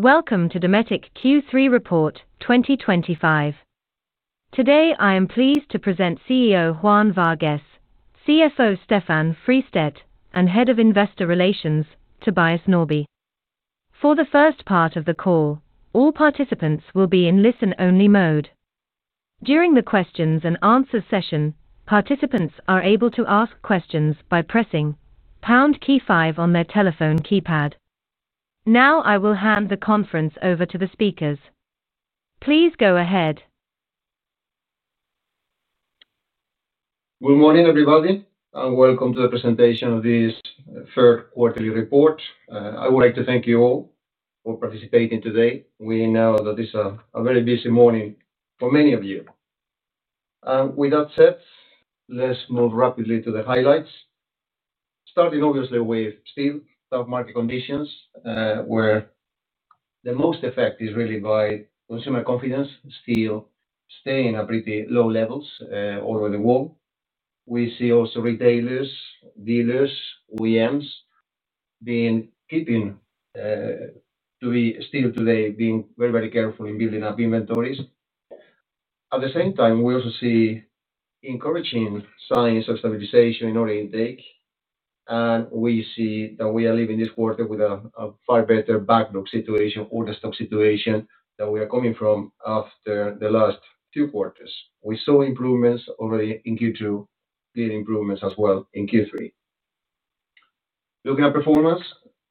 Welcome to Dometic Q3 report 2025. Today, I am pleased to present CEO Juan Vargues, CFO Stefan Fristedt, and Head of Investor Relations, Tobias Norrby. For the first part of the call, all participants will be in listen-only mode. During the questions and answers session, participants are able to ask questions by pressing pound key five on their telephone keypad. Now, I will hand the conference over to the speakers. Please go ahead. Good morning, everybody, and welcome to the presentation of this third quarterly report. I would like to thank you all for participating today. We know that this is a very busy morning for many of you. With that said, let's move rapidly to the highlights, starting obviously with still tough market conditions, where the most effect is really by consumer confidence. Steel staying at pretty low levels all over the world. We see also retailers, dealers, OEMs keeping to be still today, being very, very careful in building up inventories. At the same time, we also see encouraging signs of stabilization in order intake, and we see that we are leaving this quarter with a far better backlog situation or the stock situation that we are coming from after the last two quarters. We saw improvements already in Q2, clear improvements as well in Q3. Looking at performance,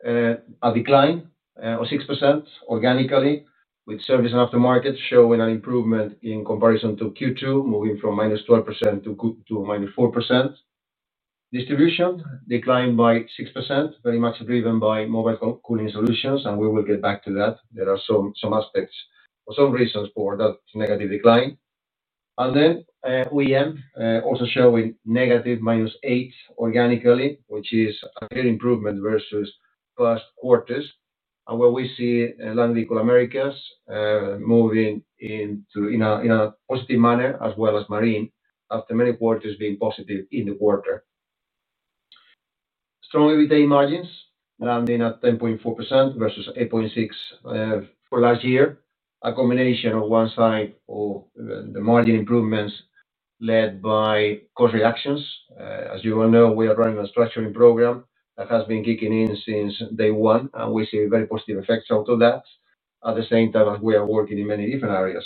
a decline of 6% organically, with service and aftermarket showing an improvement in comparison to Q2, moving from -12% to -4%. Distribution declined by 6%, very much driven by mobile cooling solutions, and we will get back to that. There are some aspects or some reasons for that negative decline. OEM also showing negative -8% organically, which is a clear improvement versus the last quarters, and where we see Land Vehicle Americas moving in a positive manner as well as Marine after many quarters being positive in the quarter. Strong EBITDA margins landing at 10.4% versus 8.6% for last year, a combination of on one side the margin improvements led by cost reductions. As you all know, we are running a restructuring program that has been kicking in since day one, and we see very positive effects out of that at the same time as we are working in many different areas.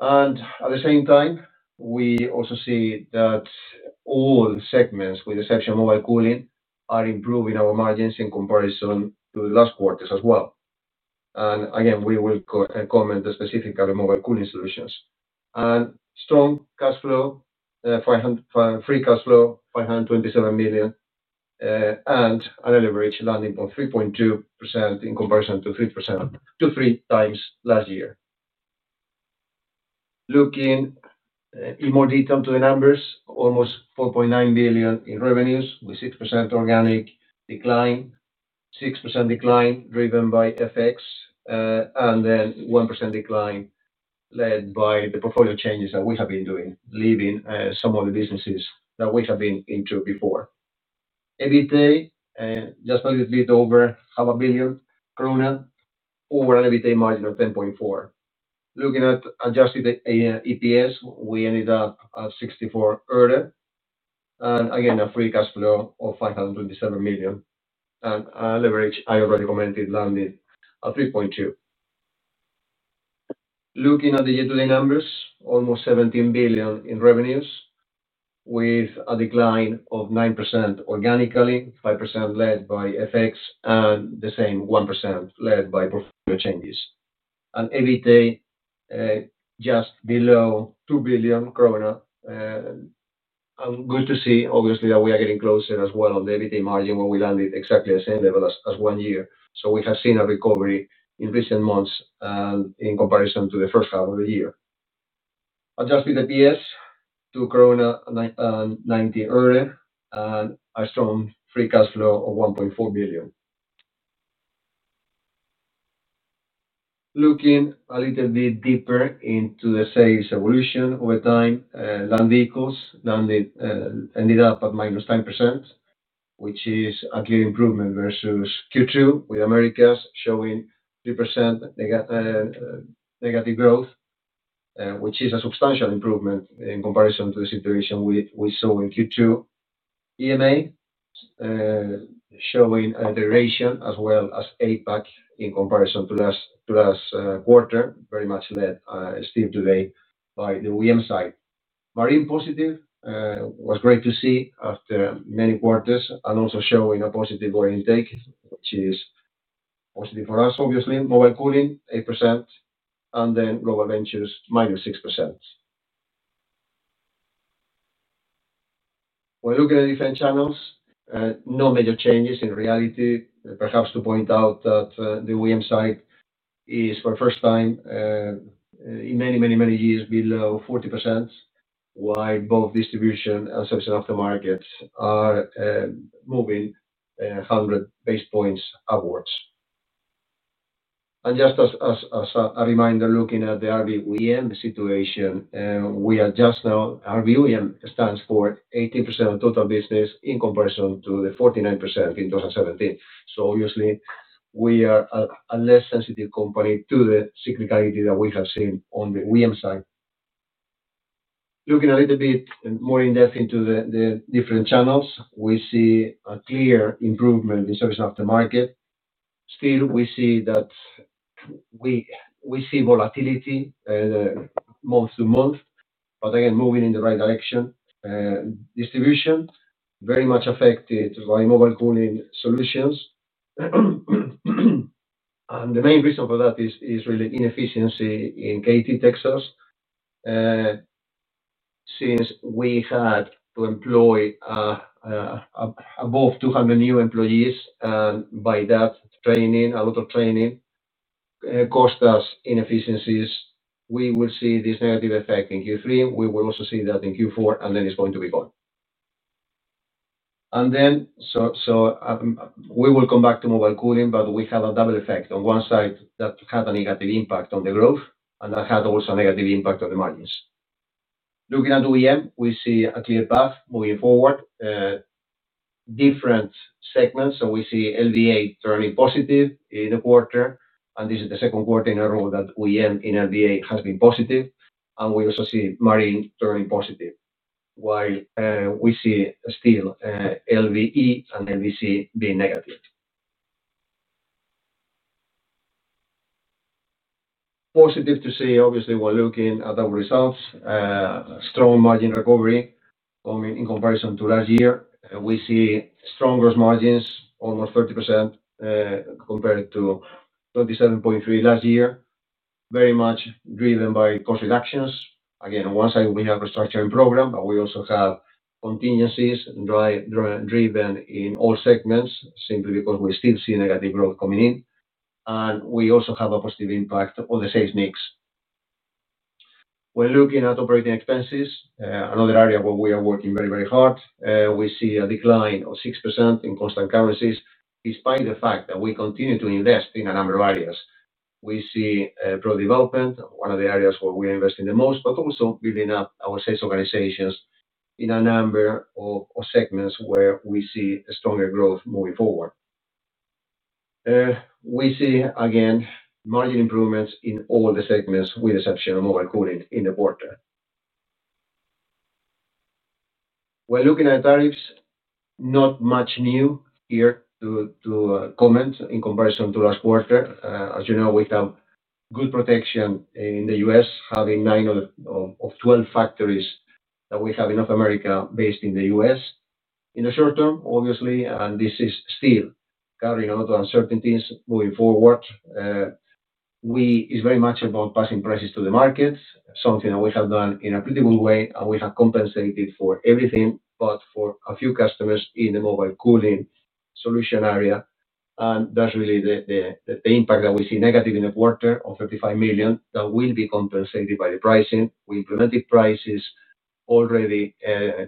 At the same time, we also see that all segments, with the exception of mobile cooling, are improving our margins in comparison to the last quarters as well. We will comment specifically on mobile cooling solutions. Strong cash flow, free cash flow, 527 million, and an early bridge landing point 3.2% in comparison to 3%, 2x to 3x last year. Looking in more detail to the numbers, almost 4.9 billion in revenues, with 6% organic decline, 6% decline driven by FX, and then 1% decline led by the portfolio changes that we have been doing, leaving some of the businesses that we have been into before. EBITDA just a little bit over half a billion krona over an EBITDA margin of 10.4%. Looking at adjusted EPS, we ended up at 6.4 billion, and again, a free cash flow of 527 million, and an average, I already commented, landed at 3.2%. Looking at the year-to-date numbers, almost 17 billion in revenues, with a decline of 9% organically, 5% led by FX, and the same 1% led by portfolio changes. EBITDA just below 2 billion krona. It is good to see, obviously, that we are getting closer as well on the EBITDA margin where we landed exactly at the same level as one year. We have seen a recovery in recent months and in comparison to the first half of the year. Adjusted EPS to 19 and a strong free cash flow of 1.4 billion. Looking a little bit deeper into the sales evolution over time, Land Vehicles ended up at -10%, which is a clear improvement versus Q2, with Americas showing 3% negative growth, which is a substantial improvement in comparison to the situation we saw in Q2. EMA showing a duration as well as APAC in comparison to last quarter, very much led still today by the OEM side. Marine positive was great to see after many quarters and also showing a positive order intake, which is positive for us, obviously. Mobile cooling 8% and then Global Ventures -6%. When looking at different channels, no major changes in reality. Perhaps to point out that the OEM side is for the first time in many, many, many years below 40%, while both distribution and service and aftermarket are moving 100 basis points upwards. Just as a reminder, looking at the RBOEM situation, we are just now RBOEM stands for 18% of total business in comparison to the 49% in 2017. Obviously, we are a less sensitive company to the cyclicality that we have seen on the OEM side. Looking a little bit more in depth into the different channels, we see a clear improvement in service and aftermarket. Still, we see volatility month to month, but again, moving in the right direction. Distribution very much affected by mobile cooling solutions. The main reason for that is really inefficiency in Katy, Texas, since we had to employ above 200 new employees. By that, training, a lot of training cost us inefficiencies. We will see this negative effect in Q3. We will also see that in Q4, and then it is going to be gone. We will come back to mobile cooling, but we have a double effect on one side that had a negative impact on the growth and that had also a negative impact on the margins. Looking at OEM, we see a clear path moving forward. Different segments, so we see LVA turning positive in the quarter, and this is the second quarter in a row that OEM in LVA has been positive. We also see Marine turning positive, while we see still LVE and LVC being negative. Positive to see, obviously, we're looking at our results. Strong margin recovery in comparison to last year. We see stronger margins, almost 30% compared to 27.3% last year, very much driven by cost reductions. On one side, we have a restructuring program, but we also have contingencies driven in all segments simply because we still see negative growth coming in. We also have a positive impact on the sales mix. When looking at operating expenses, another area where we are working very, very hard, we see a decline of 6% in constant currencies despite the fact that we continue to invest in a number of areas. We see product development, one of the areas where we are investing the most, but also building up our sales organizations in a number of segments where we see stronger growth moving forward. We see, again, margin improvements in all the segments with the exception of mobile cooling in the quarter. When looking at tariffs, not much new here to comment in comparison to last quarter. As you know, we have good protection in the U.S., having 9 of 12 factories that we have in North America based in the U.S. In the short-term, obviously, and this is still carrying a lot of uncertainties moving forward, it's very much about passing prices to the market, something that we have done in a pretty good way, and we have compensated for everything but for a few customers in the mobile cooling solution area. That's really the impact that we see negative in the quarter of $35 million that will be compensated by the pricing. We implemented prices already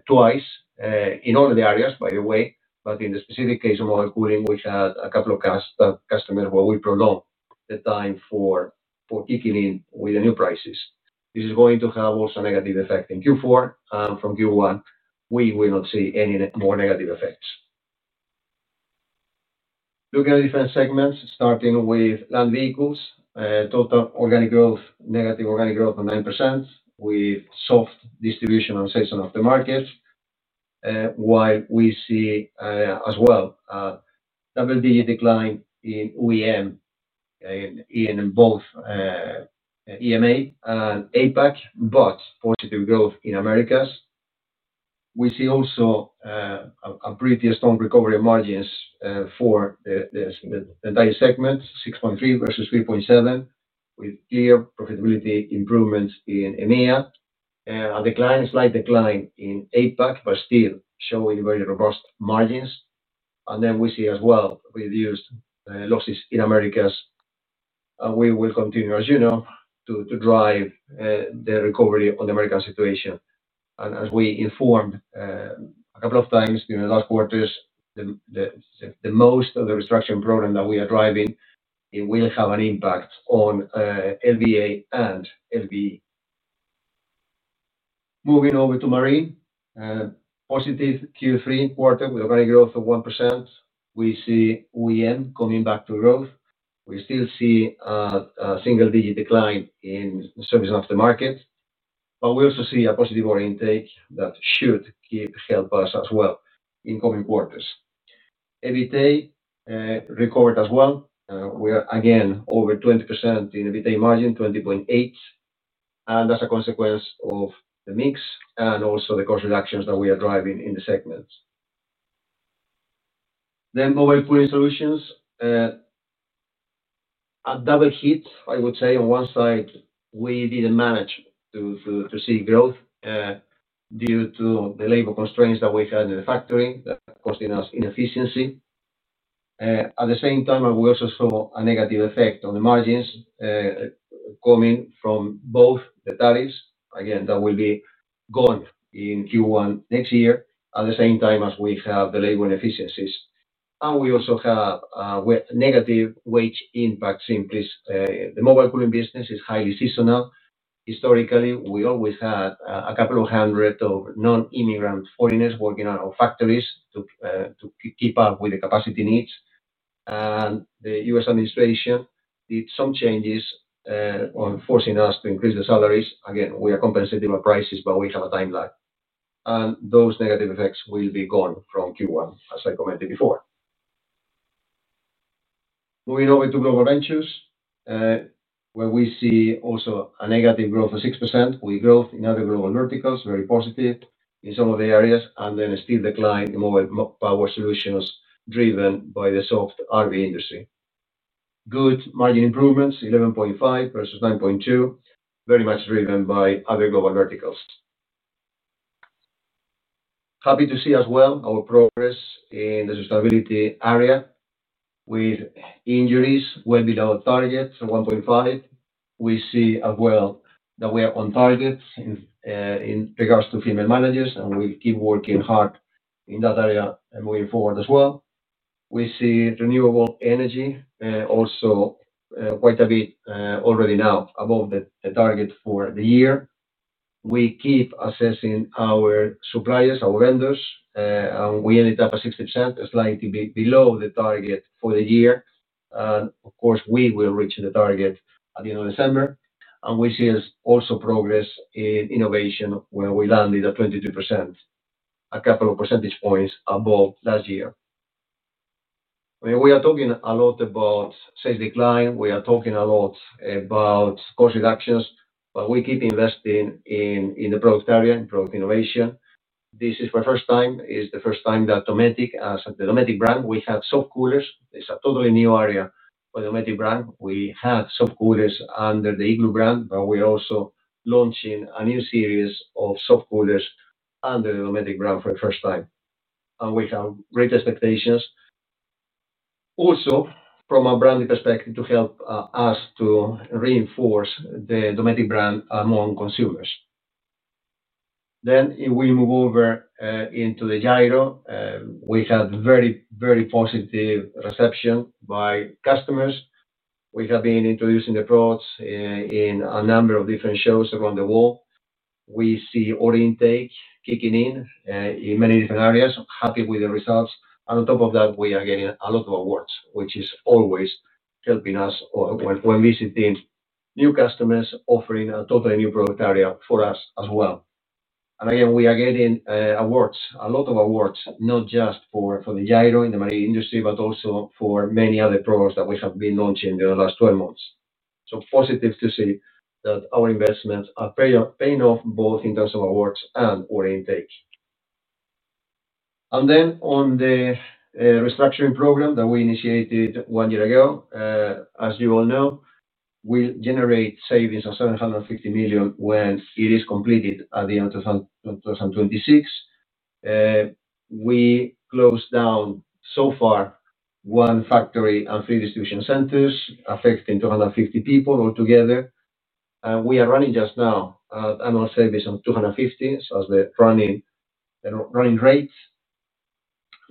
twice in all of the areas, by the way, but in the specific case of mobile cooling, we had a couple of customers where we prolonged the time for kicking in with the new prices. This is going to have also a negative effect in Q4, and from Q1, we will not see any more negative effects. Looking at different segments, starting with Land Vehicles, total organic growth, negative organic growth of 9% with soft distribution and sales and aftermarket, while we see as well a double-digit decline in OEM in both EMEA and APAC, but positive growth in Americas. We see also a pretty strong recovery of margins for the entire segment, 6.3% versus 3.7%, with clear profitability improvements in EMEA. A slight decline in APAC, but still showing very robust margins. We see as well reduced losses in Americas. We will continue, as you know, to drive the recovery on the American situation. As we informed a couple of times during the last quarters, most of the restructuring program that we are driving will have an impact on LVA and LVE. Moving over to Marine, positive Q3 quarter with organic growth of 1%. We see OEM coming back to growth. We still see a single-digit decline in service and aftermarket, but we also see a positive order intake that should help us as well in coming quarters. EBITDA record as well. We are again over 20% in EBITDA margin, 20.8%, as a consequence of the mix and also the cost reductions that we are driving in the segments. Then mobile cooling solutions, a double hit, I would say. On one side, we didn't manage to see growth due to the labor constraints that we had in the factory that cost us inefficiency. At the same time, we also saw a negative effect on the margins coming from both the tariffs. That will be gone in Q1 next year, at the same time as we have the labor inefficiencies. We also have a negative wage impact simply. The mobile cooling business is highly seasonal. Historically, we always had a couple of hundred of non-immigrant foreigners working out of factories to keep up with the capacity needs. The U.S. administration did some changes on forcing us to increase the salaries. We are compensating our prices, but we have a time lag. Those negative effects will be gone from Q1, as I commented before. Moving over to Global Ventures, where we see also a negative growth of 6%. We growth in other global verticals, very positive in some of the areas, and then a steep decline in mobile power solutions driven by the soft RV industry. Gross margin improvements, 11.5% versus 9.2%, very much driven by other global verticals. Happy to see as well our progress in the sustainability area, with injuries well below target at 1.5%. We see as well that we are on target in regards to female managers, and we keep working hard in that area moving forward as well. We see renewable energy also quite a bit already now above the target for the year. We keep assessing our suppliers, our vendors, and we ended up at 60%, slightly below the target for the year. Of course, we will reach the target at the end of December. We see also progress in innovation where we landed at 22%, a couple of percentage points above last year. We are talking a lot about sales decline. We are talking a lot about cost reductions, but we keep investing in the product area, in product innovation. This is for the first time. It's the first time that Dometic, as the Dometic brand, we have soft coolers. It's a totally new area for the Dometic brand. We had soft coolers under the Igloo brand, but we are also launching a new series of soft coolers under the Dometic brand for the first time. We have great expectations, also from a branding perspective, to help us to reinforce the Dometic brand among consumers. We move over into the gyro. We had very, very positive reception by customers. We have been introducing the products in a number of different shows around the world. We see order intake kicking in in many different areas. Happy with the results. On top of that, we are getting a lot of awards, which is always helping us when visiting new customers, offering a totally new product area for us as well. We are getting awards, a lot of awards, not just for the gyro in the marine industry, but also for many other products that we have been launching in the last 12 months. Positive to see that our investments are paying off both in terms of awards and order intake. On the restructuring program that we initiated one year ago, as you all know, we'll generate savings of 750 million when it is completed at the end of 2026. We closed down so far one factory and three distribution centers affecting 250 people altogether. We are running just now an annual savings of 250 million, so that's the running rate.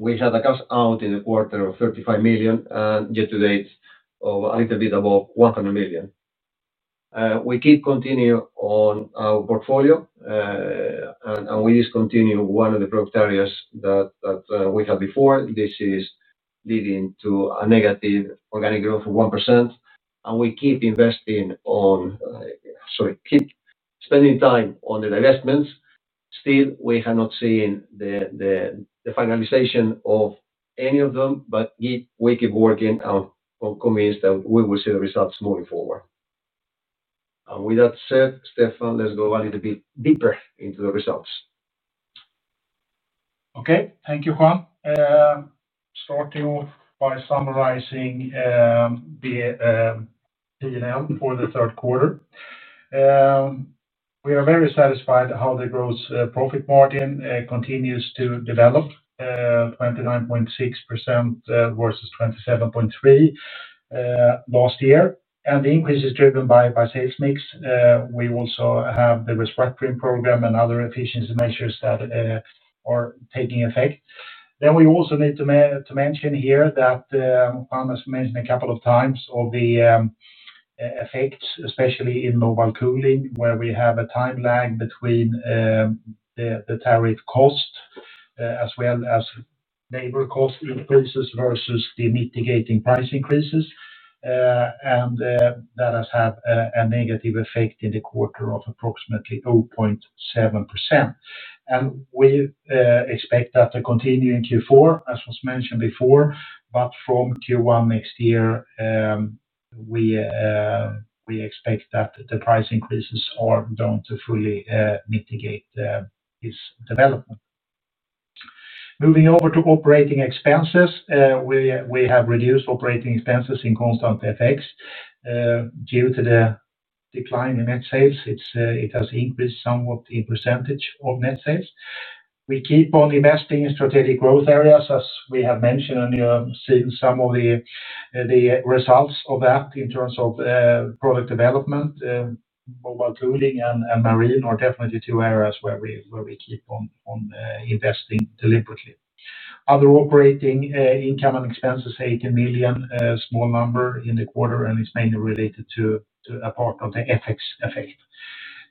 We had a cash out in the quarter of 35 million and year to date of a little bit above 100 million. We keep continuing on our portfolio, and we discontinue one of the product areas that we had before. This is leading to a negative organic growth of 1%. We keep spending time on the divestments. Still, we have not seen the finalization of any of them, but we keep working and convinced that we will see the results moving forward. With that said, Stefan, let's go a little bit deeper into the results. Okay. Thank you, Juan. Starting off by summarizing the P&L for the third quarter, we are very satisfied how the gross profit margin continues to develop, 29.6% versus 27.3% last year. The increase is driven by sales mix. We also have the restructuring program and other efficiency measures that are taking effect. We also need to mention here that Juan has mentioned a couple of times the effects, especially in mobile cooling, where we have a time lag between the tariff cost as well as labor cost increases versus the mitigating price increases. That has had a negative effect in the quarter of approximately 0.7%. We expect that to continue in Q4, as was mentioned before. From Q1 next year, we expect that the price increases are going to fully mitigate this development. Moving over to operating expenses, we have reduced operating expenses in constant FX due to the decline in net sales. It has increased somewhat in percentage of net sales. We keep on investing in strategic growth areas, as we have mentioned, and you have seen some of the results of that in terms of product development. Mobile cooling and marine are definitely two areas where we keep on investing deliberately. Other operating income and expenses, 18 million, small number in the quarter, and it's mainly related to a part of the FX effect.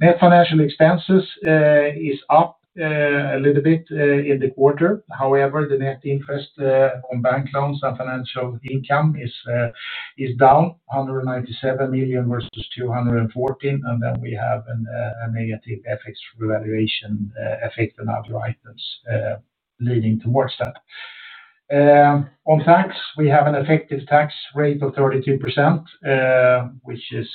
Net financial expenses is up a little bit in the quarter. However, the net interest on bank loans and financial income is down, 197 million versus 214 million. We have a negative FX revaluation effect on other items leading towards that. On tax, we have an effective tax rate of 32%, which is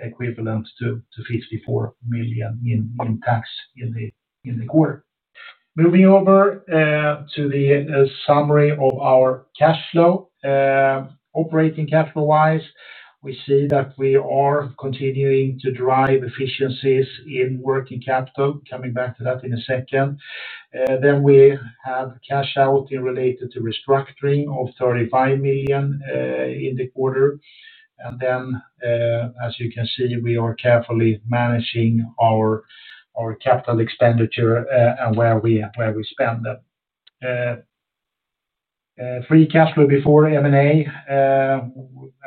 equivalent to 54 million in tax in the quarter. Moving over to the summary of our cash flow, operating cash flow-wise, we see that we are continuing to drive efficiencies in working capital. Coming back to that in a second. We have cash out related to restructuring of 35 million in the quarter. As you can see, we are carefully managing our capital expenditure and where we spend them. Free cash flow before M&A,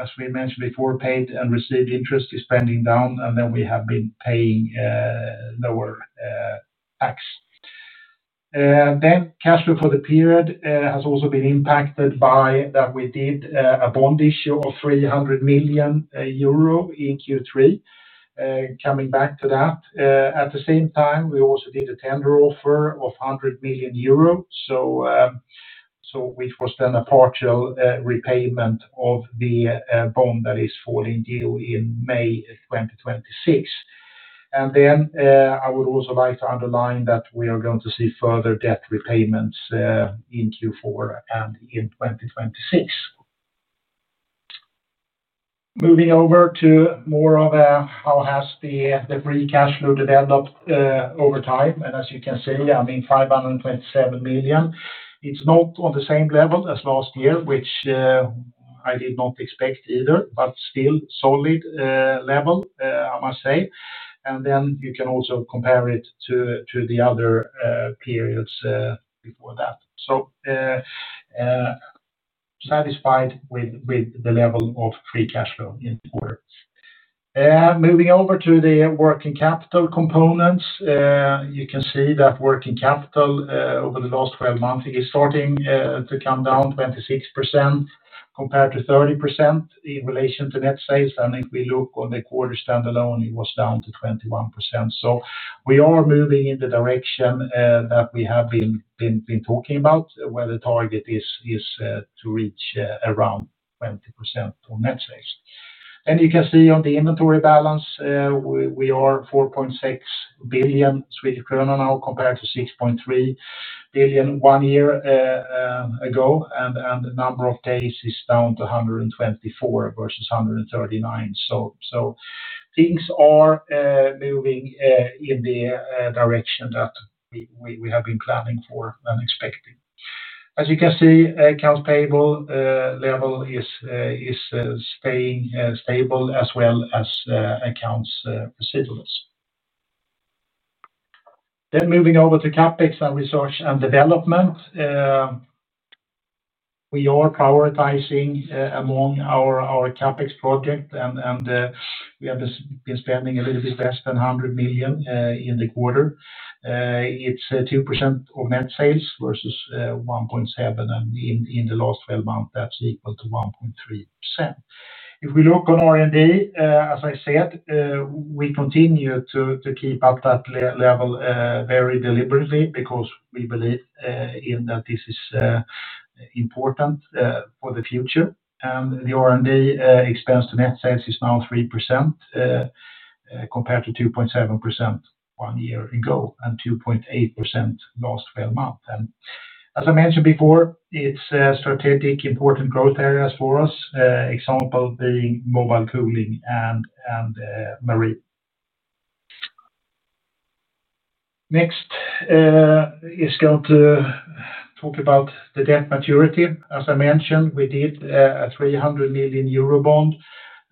as we mentioned before, paid and received interest is pending down, and we have been paying lower tax. Cash flow for the period has also been impacted by the fact that we did a bond issue of 300 million euro in Q3. At the same time, we also did a tender offer of 100 million euro, which was then a partial repayment of the bond that is falling due in May 2026. I would also like to underline that we are going to see further debt repayments in Q4 and in 2026. Moving over to more of how has the free cash flow developed over time. As you can see, I mean 527 million. It's not on the same level as last year, which I did not expect either, but still solid level, I must say. You can also compare it to the other periods before that. Satisfied with the level of free cash flow in the quarter. Moving over to the working capital components, you can see that working capital over the last 12 months is starting to come down, 26% compared to 30% in relation to net sales. If we look on the quarter standalone, it was down to 21%. We are moving in the direction that we have been talking about, where the target is to reach around 20% on net sales. You can see on the inventory balance, we are 4.6 billion Swedish krona now compared to 6.3 billion one year ago. The number of days is down to 124 versus 139. Things are moving in the direction that we have been planning for and expecting. As you can see, accounts payable level is staying stable as well as accounts receivables. Moving over to CapEx and research and development, we are prioritizing among our CapEx project. We have been spending a little bit less than 100 million in the quarter. It's 2% of net sales versus 1.7%. In the last 12 months, that's equal to 1.3%. If we look on R&D, as I said, we continue to keep up that level very deliberately because we believe in that this is important for the future. The R&D expense to net sales is now 3% compared to 2.7% one year ago and 2.8% last 12 months. As I mentioned before, it's strategic important growth areas for us, example being mobile cooling and marine. Next, it's going to talk about the debt maturity. As I mentioned, we did a 300 million euro bond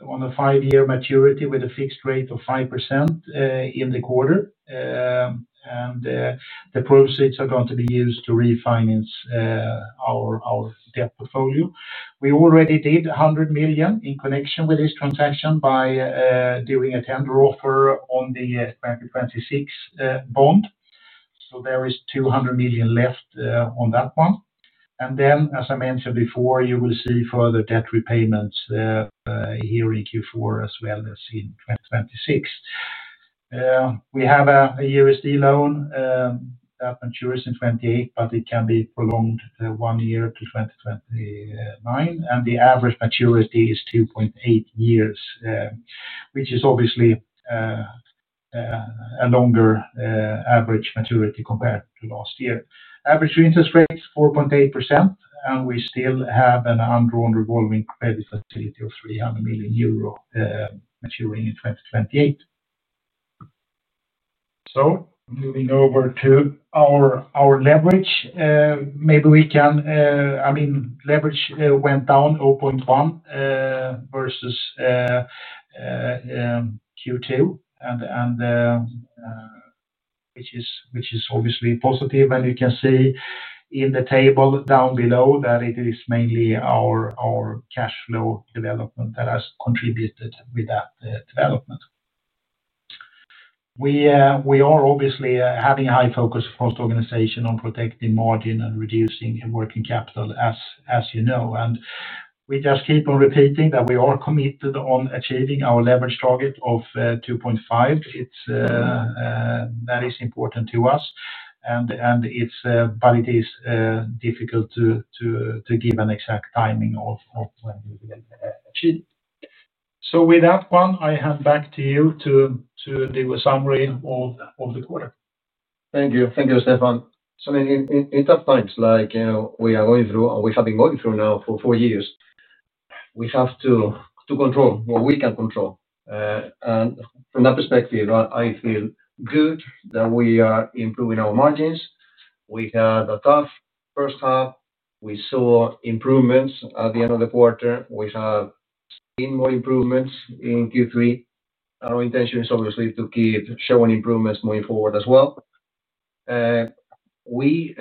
on a five-year maturity with a fixed rate of 5% in the quarter. The proceeds are going to be used to refinance our debt portfolio. We already did 100 million in connection with this transaction by doing a tender offer on the 2026 bond. There is 200 million left on that one. As I mentioned before, you will see further debt repayments here in Q4 as well as in 2026. We have a USD loan that matures in 2028, but it can be prolonged one year to 2029. The average maturity is 2.8 years, which is obviously a longer average maturity compared to last year. Average interest rate is 4.8%. We still have an undrawn revolving credit facility of 300 million euro maturing in 2028. Moving over to our leverage, maybe we can, I mean, leverage went down 0.1% versus Q2, which is obviously positive. You can see in the table down below that it is mainly our cash flow development that has contributed with that development. We are obviously having a high focus across the organization on protecting margin and reducing working capital, as you know. We just keep on repeating that we are committed on achieving our leverage target of 2.5%. That is important to us. It is difficult to give an exact timing of when we will achieve it. With that, Juan, I hand back to you to do a summary of the quarter. Thank you. Thank you, Stefan. I mean, in tough times like we are going through and we have been going through now for four years, we have to control what we can control. From that perspective, I feel good that we are improving our margins. We had a tough first half. We saw improvements at the end of the quarter. We have seen more improvements in Q3. Our intention is obviously to keep showing improvements moving forward as well. We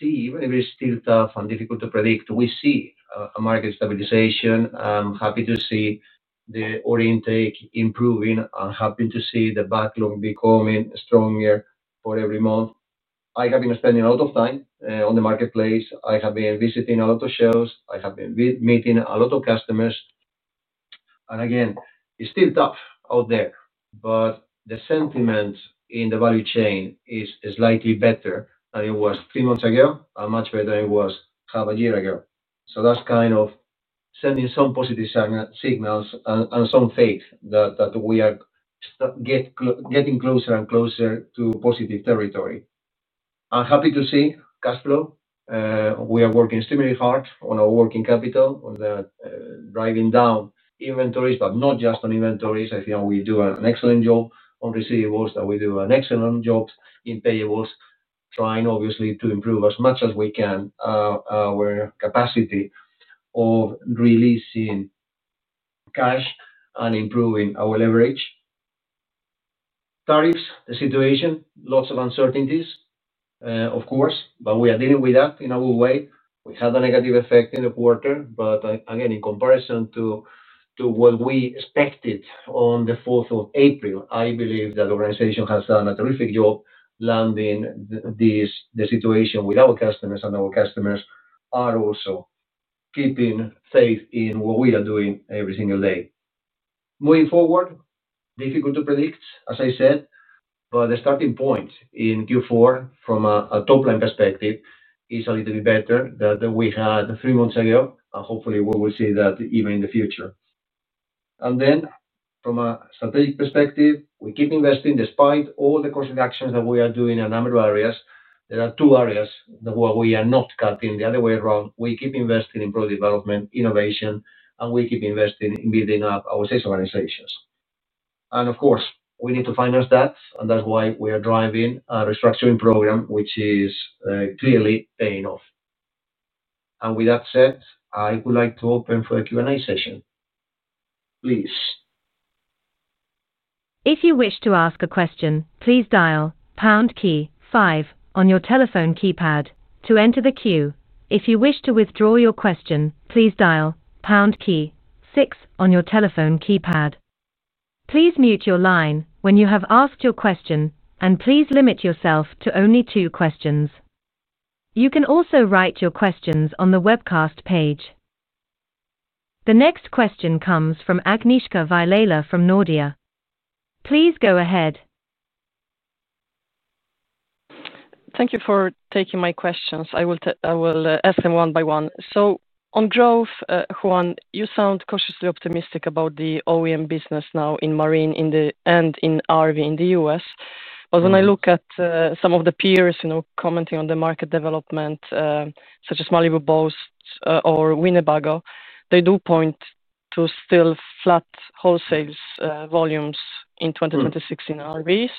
see, even if it is still tough and difficult to predict, we see a market stabilization. I'm happy to see the order intake improving. I'm happy to see the backlog becoming stronger for every month. I have been spending a lot of time on the marketplace. I have been visiting a lot of shelves. I have been meeting a lot of customers. It's still tough out there, but the sentiment in the value chain is slightly better than it was three months ago and much better than it was half a year ago. That is kind of sending some positive signals and some faith that we are getting closer and closer to positive territory. I'm happy to see cash flow. We are working extremely hard on our working capital, on that driving down inventories, but not just on inventories. I think we do an excellent job on receivables, and we do an excellent job in payables, trying obviously to improve as much as we can our capacity of releasing cash and improving our leverage. Tariffs, the situation, lots of uncertainties, of course, but we are dealing with that in a good way. We had a negative effect in the quarter, but again, in comparison to what we expected on the 4th of April, I believe that the organization has done a terrific job landing the situation with our customers, and our customers are also keeping faith in what we are doing every single day. Moving forward, difficult to predict, as I said, but the starting point in Q4 from a top-line perspective is a little bit better than we had three months ago, and hopefully, we will see that even in the future. From a strategic perspective, we keep investing despite all the cost reductions that we are doing in a number of areas. There are two areas that we are not cutting the other way around. We keep investing in product development, innovation, and we keep investing in building up our sales organizations. Of course, we need to finance that, and that's why we are driving a restructuring program, which is clearly paying off. With that said, I would like to open for a Q&A session. Please. If you wish to ask a question, please dial pound key five on your telephone keypad to enter the queue. If you wish to withdraw your question, please dial pound key six on your telephone keypad. Please mute your line when you have asked your question, and please limit yourself to only two questions. You can also write your questions on the webcast page. The next question comes from Agnieszka Vilela from Nordea. Please go ahead. Thank you for taking my questions. I will ask them one by one. On growth, Juan, you sound cautiously optimistic about the OEM business now in Marine and in RV in the U.S. When I look at some of the peers commenting on the market development, such as Malibu Boats or Winnebago, they do point to still flat wholesale volumes in 2026 in RVs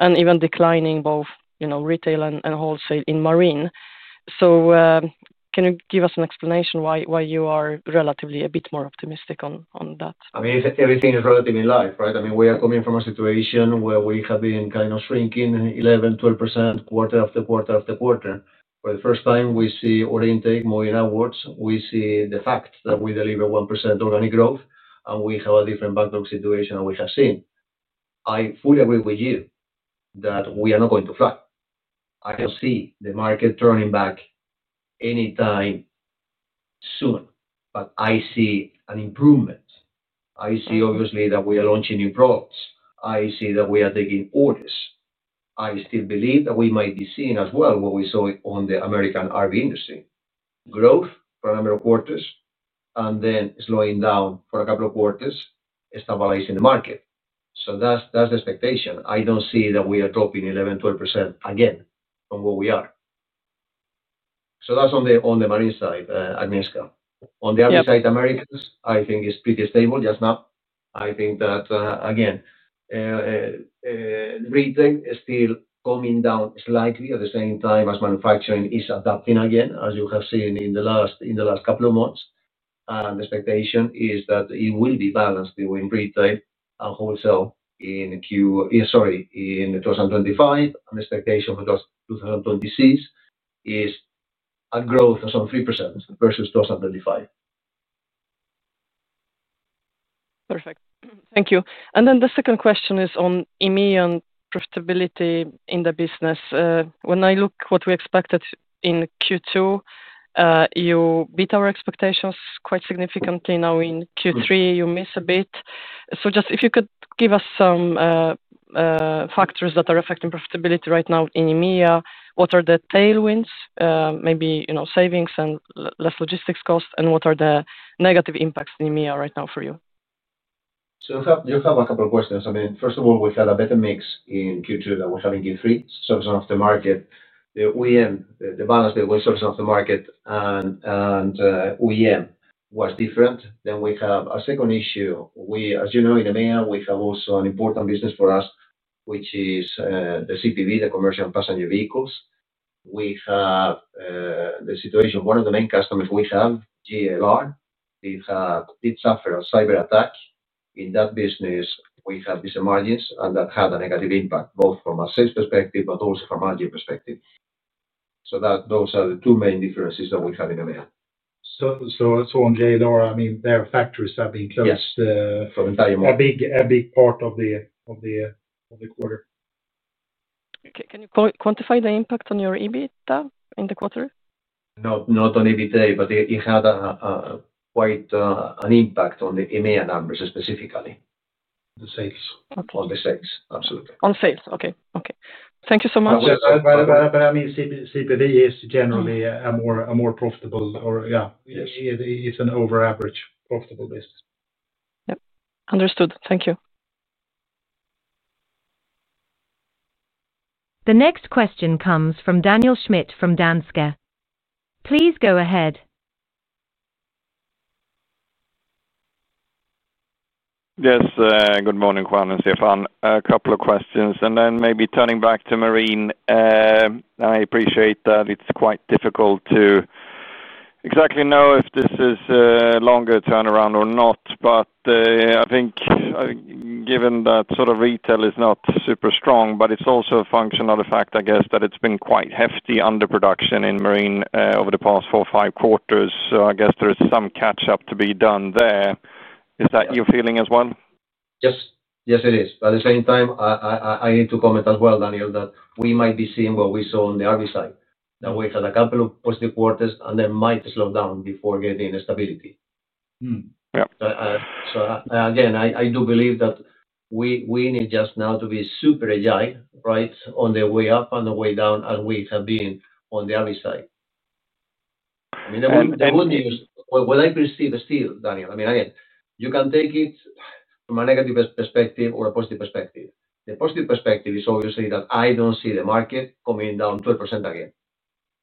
and even declining both retail and wholesale in Marine. Can you give us an explanation why you are relatively a bit more optimistic on that? I mean, everything is relatively live, right? I mean, we are coming from a situation where we have been kind of shrinking 11%, 12%, quarter after quarter after quarter. For the first time, we see order intake moving upwards. We see the fact that we deliver 1% organic growth, and we have a different backlog situation than we have seen. I fully agree with you that we are not going to fly. I don't see the market turning back anytime soon, but I see an improvement. I see obviously that we are launching new products. I see that we are taking orders. I still believe that we might be seeing as well what we saw on the American RV industry, growth for a number of quarters and then slowing down for a couple of quarters, stabilizing the market. That's the expectation. I don't see that we are dropping 11%, 12% again from where we are. That's on the Marine side, Agnieszka. On the RV side, Americas, I think it's pretty stable. Just now, I think that, again, retail is still coming down slightly at the same time as manufacturing is adapting again, as you have seen in the last couple of months. The expectation is that it will be balanced between retail and wholesale in Q, sorry, in 2025. The expectation for 2026 is a growth of some 3% versus 2025. Perfect. Thank you. The second question is on EMEA and profitability in the business. When I look at what we expected in Q2, you beat our expectations quite significantly. Now in Q3, you miss a bit. If you could give us some factors that are affecting profitability right now in EMEA, what are the tailwinds? Maybe savings and less logistics cost, and what are the negative impacts in EMEA right now for you? You have a couple of questions. First of all, we had a better mix in Q2 than we had in Q3. The services of the market, the OEM, the balance between services of the market and OEM was different. We have a second issue. As you know, in EMEA, we have also an important business for us, which is the CPV, the commercial and passenger vehicles. We have the situation of one of the main customers we have, GLR. It suffered a cyber attack. In that business, we have these margins and that had a negative impact both from a sales perspective, but also from a margin perspective. Those are the two main differences that we have in EMEA. That's what GLR, I mean, their factories have been closed for an entire month, a big part of the quarter. Okay. Can you quantify the impact on your EBITDA in the quarter? Not on EBITDA, but it had quite an impact on the EMEA numbers specifically. The sales. On the sales, absolutely. On sales. Okay. Thank you so much. CPV is generally a more profitable, or yeah, it's an over-average profitable business. Yep, understood. Thank you. The next question comes from Daniel Schmidt from Danske. Please go ahead. Yes. Good morning, Juan and Stefan. A couple of questions. Maybe turning back to Marine, I appreciate that it's quite difficult to exactly know if this is a longer turnaround or not. I think given that sort of retail is not super strong, it's also a function of the fact, I guess, that it's been quite hefty underproduction in Marine over the past four or five quarters. I guess there is some catch-up to be done there. Is that your feeling as well? Yes, it is. At the same time, I need to comment as well, Daniel, that we might be seeing what we saw on the RV side, that we had a couple of positive quarters and then might slow down before getting stability. I do believe that we need just now to be super agile, right, on the way up and the way down as we have been on the RV side. The good news, what I perceive still, Daniel, you can take it from a negative perspective or a positive perspective. The positive perspective is obviously that I don't see the market coming down 12% again,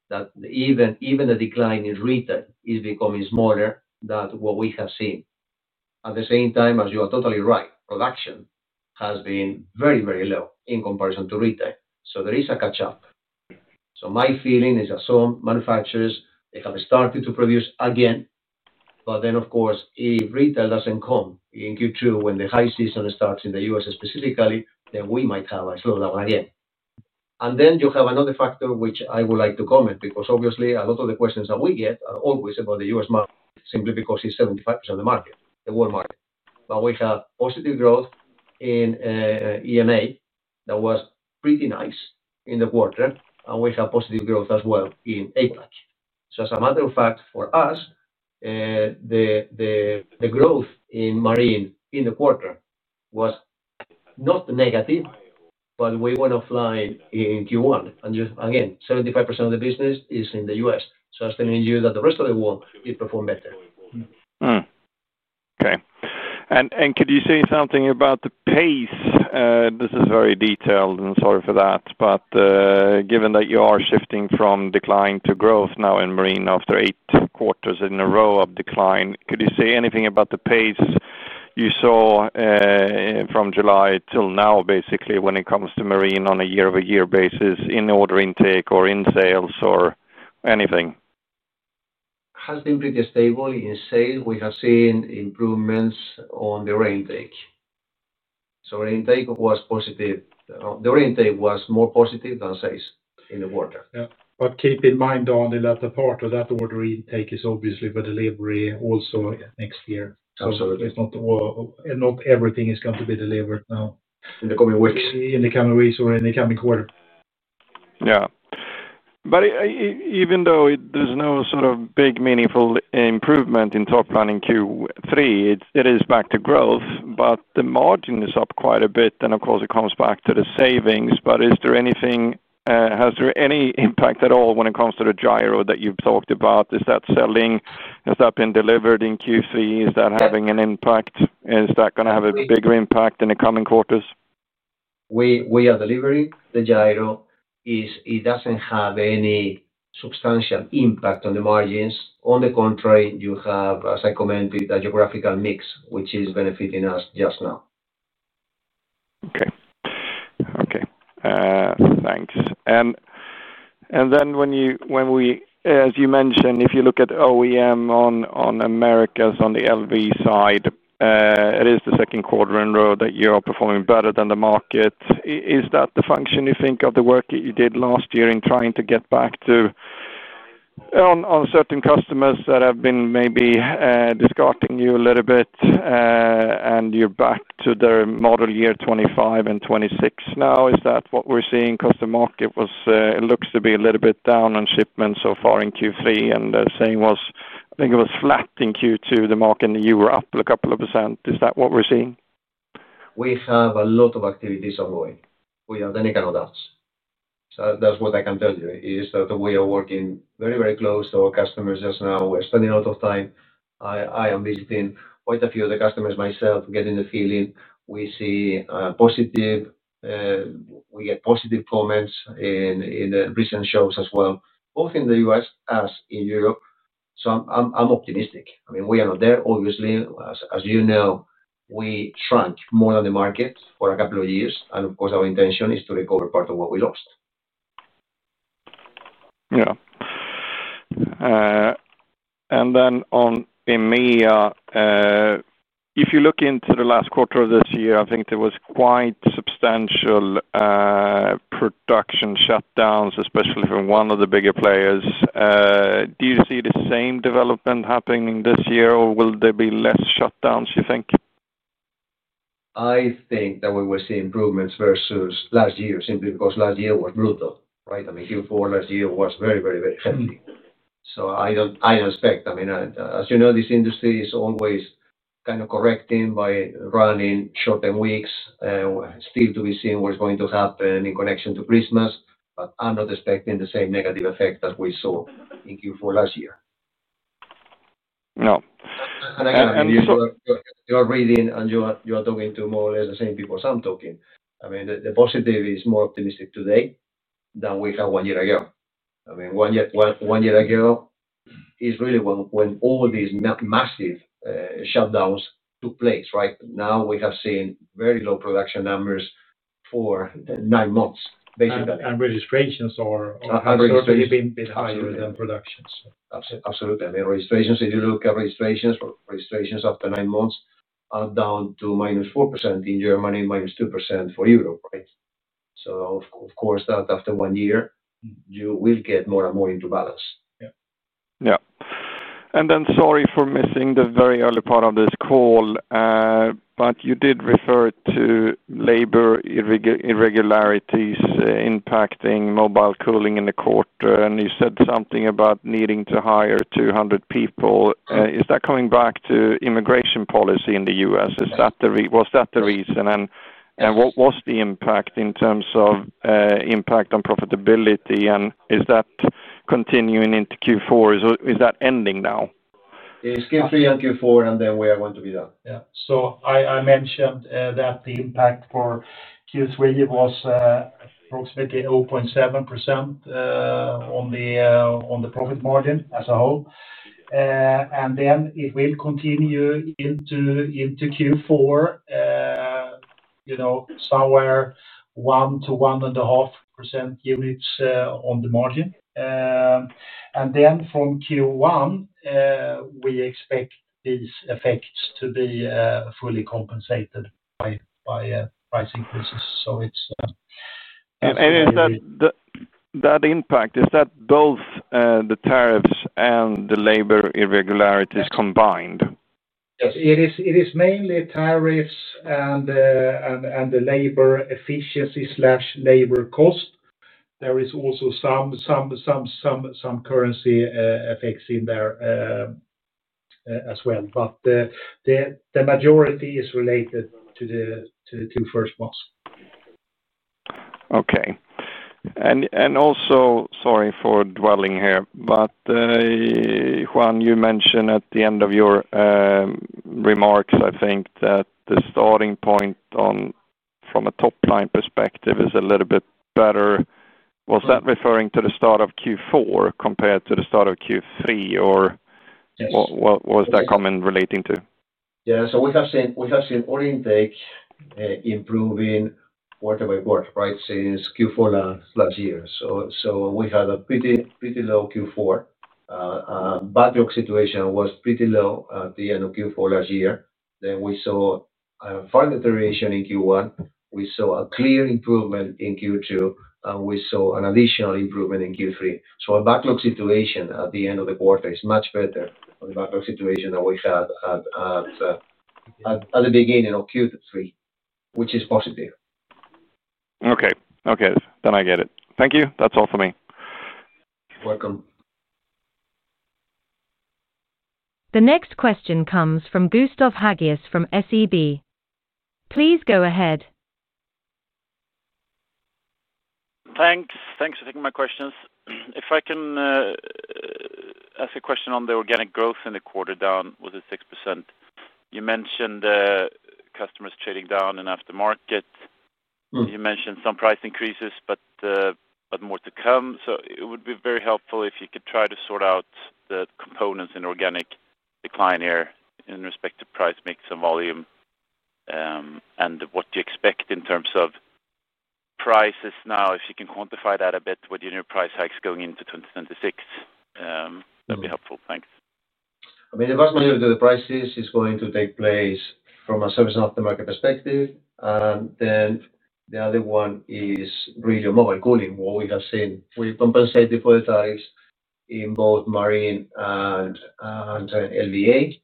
that even the decline in retail is becoming smaller than what we have seen. At the same time, as you are totally right, production has been very, very low in comparison to retail. There is a catch-up. My feeling is that some manufacturers have started to produce again. Of course, if retail doesn't come in Q2 when the high season starts in the U.S. specifically, we might have a slowdown again. There is another factor which I would like to comment on because a lot of the questions that we get are always about the U.S. market simply because it's 75% of the world market. We have positive growth in EMA that was pretty nice in the quarter, and we have positive growth as well in APAC. As a matter of fact, for us, the growth in Marine in the quarter was not negative, but we went offline in Q1. Again, 75% of the business is in the U.S. I'm telling you that the rest of the world did perform better. Okay. Can you say something about the pace? This is very detailed, and sorry for that. Given that you are shifting from decline to growth now in Marine after eight quarters in a row of decline, could you say anything about the pace you saw from July till now, basically, when it comes to Marine on a year-over-year basis in order intake or in sales or anything? Has been pretty stable in sales. We have seen improvements on the order intake. Order intake was positive. The order intake was more positive than sales in the quarter. Yeah, keep in mind, Juan, that part of that order intake is obviously for delivery also next year. Absolutely. Not everything is going to be delivered now. In the coming weeks. In the coming weeks or in the coming quarter. Even though there's no sort of big meaningful improvement in top line in Q3, it is back to growth, but the margin is up quite a bit. Of course, it comes back to the savings. Is there anything, has there any impact at all when it comes to the gyro that you've talked about? Is that selling? Has that been delivered in Q3? Is that having an impact? Is that going to have a bigger impact in the coming quarters? We are delivering. The gyro, it doesn't have any substantial impact on the margins. On the contrary, you have, as I commented, a geographical mix which is benefiting us just now. Okay. Thanks. When you, as you mentioned, if you look at OEM on Americas on the LV side, it is the second quarter in a row that you are performing better than the market. Is that the function, you think, of the work that you did last year in trying to get back to certain customers that have been maybe discarding you a little bit, and you're back to their model year 2025 and 2026 now? Is that what we're seeing? The market looks to be a little bit down on shipment so far in Q3, and the same was, I think it was flat in Q2. The market in the EU were up a couple of percent. Is that what we're seeing? We have a lot of activities ongoing. We are done economics. That's what I can tell you is that we are working very, very close to our customers just now. We're spending a lot of time. I am visiting quite a few of the customers myself, getting the feeling. We see positive, we get positive comments in recent shows as well, both in the U.S. as in Europe. I'm optimistic. I mean, we are not there. Obviously, as you know, we shrank more than the market for a couple of years. Of course, our intention is to recover part of what we lost. Yeah. If you look into the last quarter of this year in EMEA, I think there was quite substantial production shutdowns, especially from one of the bigger players. Do you see the same development happening this year, or will there be less shutdowns, you think? I think that we will see improvements versus last year simply because last year was brutal, right? I mean, Q4 last year was very, very, very hefty. I don't expect, I mean, as you know, this industry is always kind of correcting by running short-term weeks. It is still to be seen what's going to happen in connection to Christmas. I'm not expecting the same negative effect as we saw in Q4 last year. You are reading and you are talking to more or less the same people as I'm talking. The positive is more optimistic today than we had one year ago. One year ago is really when all these massive shutdowns took place, right? Now we have seen very low production numbers for nine months, basically. Registrations are already been a bit higher than production. Absolutely. I mean, registrations, if you look at registrations for registrations after nine months, are down to -4% in Germany, -2% for Europe, right? Of course, that after one year, you will get more and more into balance. Yeah.Yeah, sorry for missing the very early part of this call, but you did refer to labor irregularities impacting mobile cooling in the quarter. You said something about needing to hire 200 people. Is that coming back to immigration policy in the U.S.? Is that the reason? What was the impact in terms of impact on profitability? Is that continuing into Q4? Is that ending now? It's Q3 and Q4, and then we are going to be done. Yeah. I mentioned that the impact for Q3 was approximately 0.7% on the profit margin as a whole. It will continue into Q4 somewhere 1%-1.5% units on the margin. From Q1, we expect these effects to be fully compensated by price increases. It's. Is that impact both the tariffs and the labor irregularities combined? Yes. It is mainly tariffs and the labor efficiency/labor cost. There is also some currency effects in there as well. The majority is related to the two first months. Okay. Sorry for dwelling here, but Juan, you mentioned at the end of your remarks, I think, that the starting point from a top-line perspective is a little bit better. Was that referring to the start of Q4 compared to the start of Q3, or what was that comment relating to? Yeah, we have seen order intake improving quarter by quarter, right, since Q4 last year. We had a pretty low Q4. Our backlog situation was pretty low at the end of Q4 last year. We saw a further iteration in Q1, a clear improvement in Q2, and an additional improvement in Q3. Our backlog situation at the end of the quarter is much better than the backlog situation that we had at the beginning of Q3, which is positive. Okay. I get it. Thank you. That's all for me. You're welcome. The next question comes from Gustav Hageus from SEB. Please go ahead. Thanks. Thanks for taking my questions. If I can ask a question on the organic growth in the quarter, down, was it 6%? You mentioned customers trading down in aftermarket. You mentioned some price increases, but more to come. It would be very helpful if you could try to sort out the components in organic decline here in respect to price mix and volume and what you expect in terms of prices now. If you can quantify that a bit with your new price hikes going into 2026, that'd be helpful. Thanks. I mean, the first majority of the prices is going to take place from a service and aftermarket perspective. The other one is really mobile cooling, what we have seen. We compensated for the tariffs in both marine and LVA.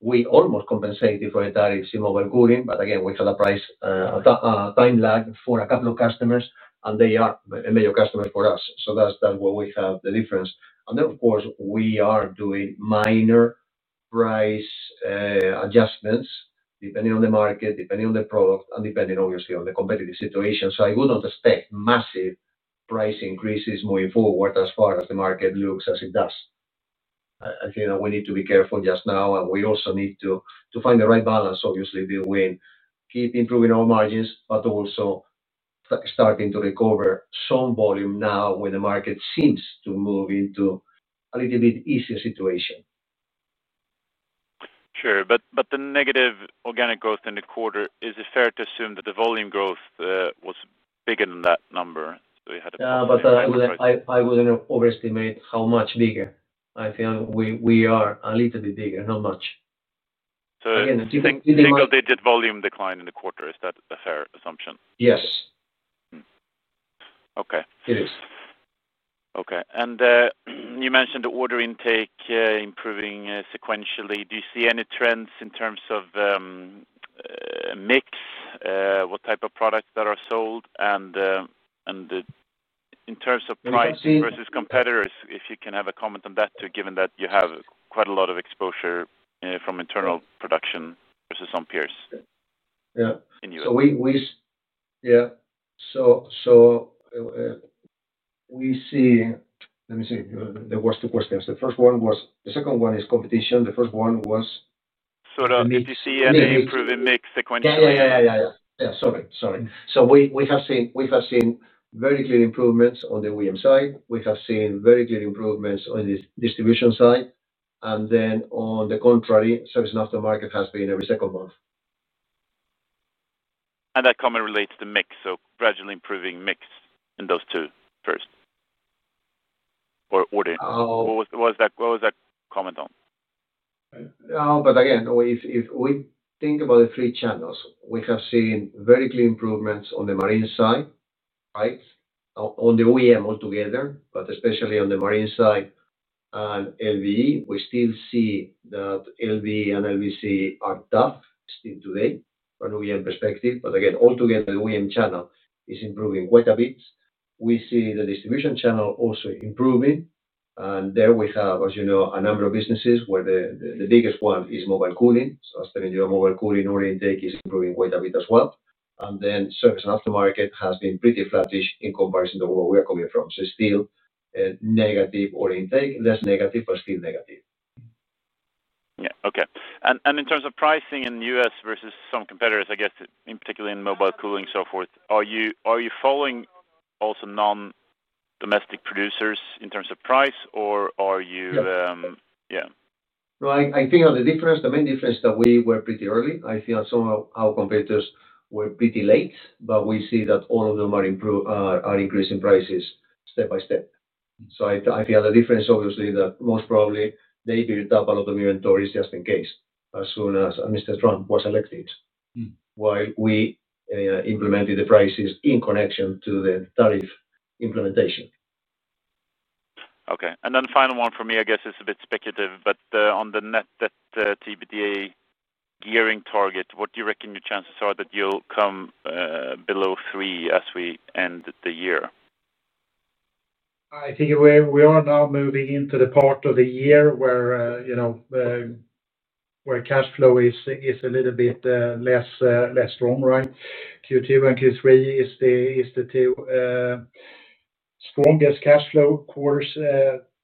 We almost compensated for the tariffs in mobile cooling, but again, we had a price time lag for a couple of customers, and they are a major customer for us. That's where we have the difference. Of course, we are doing minor price adjustments depending on the market, depending on the product, and depending obviously on the competitive situation. I would not expect massive price increases moving forward as far as the market looks as it does. I think that we need to be careful just now, and we also need to find the right balance, obviously, between keep improving our margins, but also starting to recover some volume now when the market seems to move into a little bit easier situation. Sure. The negative organic growth in the quarter, is it fair to assume that the volume growth was bigger than that number? Yeah, I wouldn't overestimate how much bigger. I think we are a little bit bigger, not much. Do you think the single-digit volume decline in the quarter is a fair assumption? Yes. Okay. It is. Okay. You mentioned the order intake improving sequentially. Do you see any trends in terms of mix? What type of products are sold? In terms of price versus competitors, if you can have a comment on that too, given that you have quite a lot of exposure from internal production versus some peers. Yeah. In Europe. We see, let me see, there were two questions. The first one was, the second one is competition. The first one was. Did you see any improving mix sequentially? We have seen very clear improvements on the OEM side. We have seen very clear improvements on the distribution side. On the contrary, service and aftermarket has been the second month. That comment relates to mix. Gradually improving mix in those two first, order intake. What was that comment on? No, but again, if we think about the three channels, we have seen very clear improvements on the marine side, right? On the OEM altogether, but especially on the marine side and LVE, we still see that LVE and LVC are tough still today from an OEM perspective. However, altogether, the OEM channel is improving quite a bit. We see the distribution channel also improving. There we have, as you know, a number of businesses where the biggest one is mobile cooling. I was telling you that mobile cooling order intake is improving quite a bit as well. Service and aftermarket has been pretty flattish in comparison to where we are coming from. It's still a negative order intake, less negative, but still negative. Okay. In terms of pricing in the U.S. versus some competitors, I guess, in particular in mobile cooling and so forth, are you following also non-domestic producers in terms of price, or are you? Yeah. Yeah. No, I think on the difference, the main difference is that we were pretty early. I feel some of our competitors were pretty late, but we see that all of them are increasing prices step by step. I feel the difference, obviously, is that most probably they built up a lot of inventories just in case, as soon as Mr. Trump was elected, while we implemented the prices in connection to the tariff implementation. Okay. The final one for me, I guess, is a bit speculative, but on the net debt/EBITDA gearing target, what do you reckon your chances are that you'll come below 3 as we end the year? I think we are now moving into the part of the year where cash flow is a little bit less strong, right? Q2 and Q3 are the two strongest cash flow quarters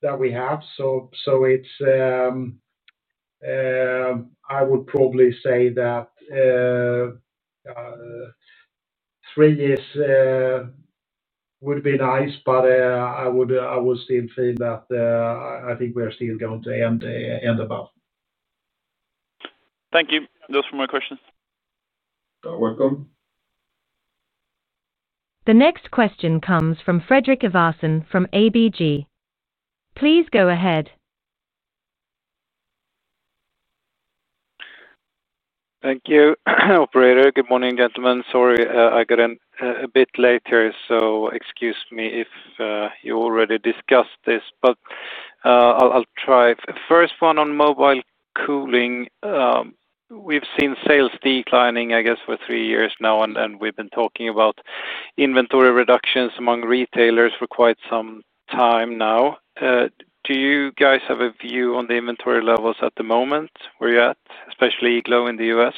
that we have. I would probably say that three years would be nice, but I would still feel that I think we are still going to end above. Thank you. Those were my questions. You're welcome. The next question comes from Frederick Evason from ABG. Please go ahead. Thank you, operator. Good morning, gentlemen. Sorry, I got in a bit late, so excuse me if you already discussed this, but I'll try. First one on mobile cooling. We've seen sales declining, I guess, for three years now, and we've been talking about inventory reductions among retailers for quite some time now. Do you guys have a view on the inventory levels at the moment where you're at, especially Igloo in the U.S.?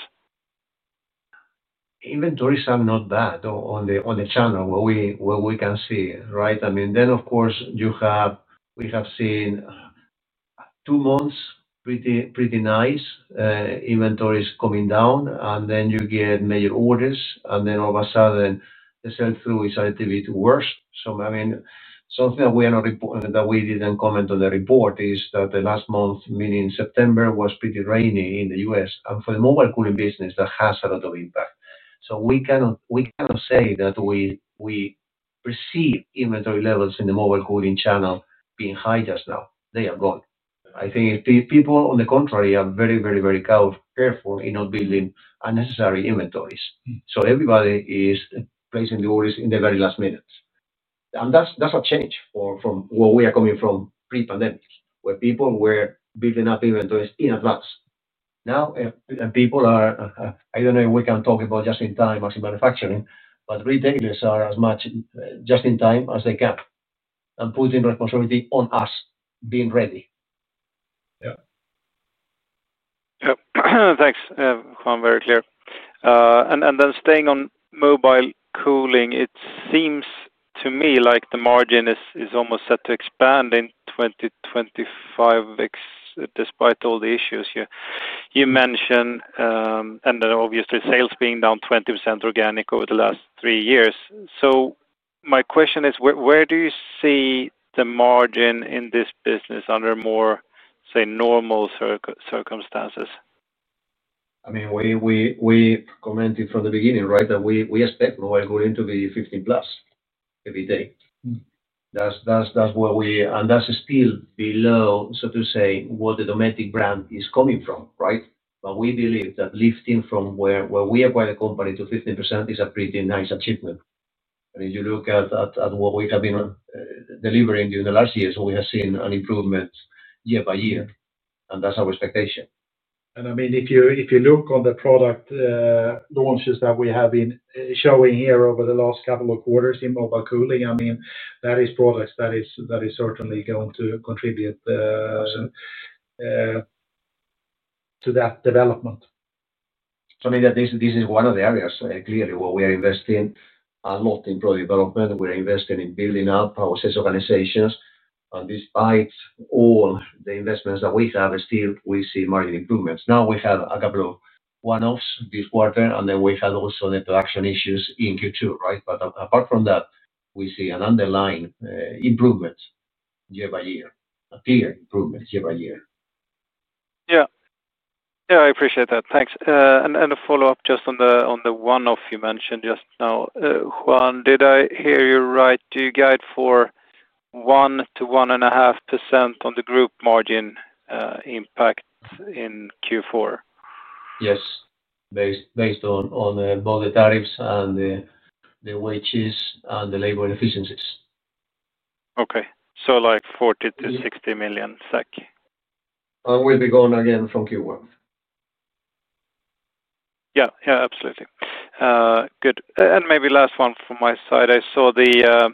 Inventories are not bad on the channel where we can see, right? I mean, of course, we have seen two months pretty, pretty nice inventories coming down, and then you get major orders, and all of a sudden, the sell-through is a little bit worse. Something that we didn't comment on the report is that the last month, meaning September, was pretty rainy in the U.S., and for the mobile cooling business, that has a lot of impact. We cannot say that we perceive inventory levels in the mobile cooling channel being high just now. They are gone. I think people, on the contrary, are very, very, very careful in not building unnecessary inventories. Everybody is placing the orders in the very last minute. That's a change from where we are coming from pre-pandemic, where people were building up inventories in advance. Now, people are, I don't know if we can talk about just-in-time as in manufacturing, but retailers are as much just-in-time as they can and putting responsibility on us being ready. Thank you, Juan, very clear. Staying on mobile cooling, it seems to me like the margin is almost set to expand in 2025 despite all the issues you mentioned, obviously sales being down 20% organic over the last three years. My question is, where do you see the margin in this business under more, say, normal circumstances? I mean, we've commented from the beginning, right, that we expect mobile cooling to be 15%+ every day. That's where we, and that's still below, so to say, what the Dometic brand is coming from, right? We believe that lifting from where we acquired the company to 15% is a pretty nice achievement. I mean, you look at what we have been delivering during the last years, and we have seen an improvement year by year. That's our expectation. If you look on the product launches that we have been showing here over the last couple of quarters in mobile cooling, that is products that are certainly going to contribute to that development. This is one of the areas clearly where we are investing a lot in product development. We're investing in building up our sales organizations, and despite all the investments that we have, still we see margin improvements. Now we have a couple of one-offs this quarter, and then we had also the production issues in Q2, right? Apart from that, we see an underlying improvement year-by-year, a clear improvement year-by-year. Yeah, I appreciate that. Thanks. A follow-up just on the one-off you mentioned just now, Juan, did I hear you right? Do you guide for 1%-1.5% on the group margin impact in Q4? Yes, based on both the tariffs and the wages and the labor efficiencies. Okay, so like 40-60 million. We'll be gone again from Q1. Yeah, absolutely. Good. Maybe last one from my side. I saw the